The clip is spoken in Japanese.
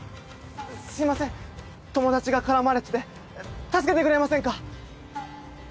すみません友達が絡まれてて助けてくれませんか？